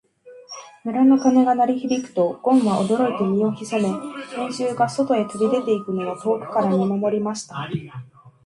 村の鐘が鳴り響くと、ごんは驚いて身を潜め、兵十が外へ飛び出していくのを遠くから見守りました。